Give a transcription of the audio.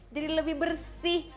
jadi lebih bersih